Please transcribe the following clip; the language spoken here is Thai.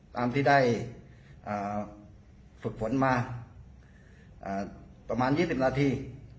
ตามที่ได้ฝึกฝนมาประมาณ๒๐นาที